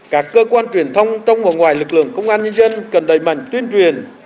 các cơ quan truyền thông trong và ngoài lực lượng công an nhân dân cần đẩy mạnh tuyên truyền